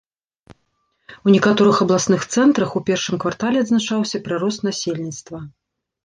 У некаторых абласных цэнтрах у першым квартале адзначаўся прырост насельніцтва.